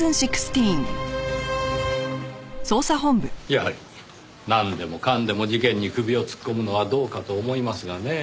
やはりなんでもかんでも事件に首を突っ込むのはどうかと思いますがねぇ。